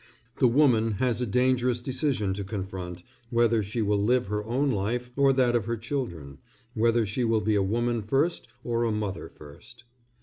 The woman has a dangerous decision to confront, whether she will live her own life or that of her children, whether she will be a woman first, or a mother first.